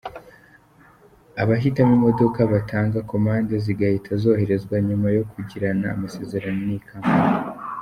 Abahitamo imodoka batanga komande zigahita zoherezwa nyuma yo kugirana amasezerano n’iyi Kompanyi.